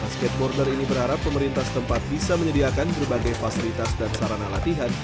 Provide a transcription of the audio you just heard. skateboarder ini berharap pemerintah setempat bisa menyediakan berbagai fasilitas dan sarana latihan